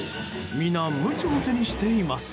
皆、むちを手にしています。